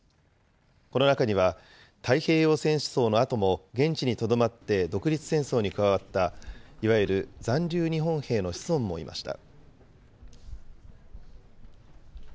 この中には、太平洋戦争のあとも現地にとどまって独立戦争に加わった、いわゆる残留日本兵の子孫もいました。